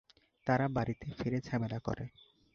তারা বাড়িতে ফিরে ঝামেলা করে।